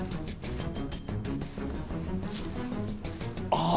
ああ！